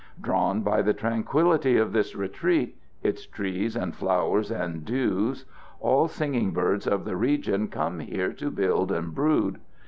Drawn by the tranquillity of this retreat its trees and flowers and dews all singing birds of the region come here to build and brood.